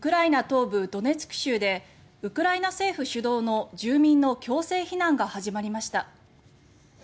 東部ドネツク州でウクライナ政府主導の住民の強制避難が始まりました。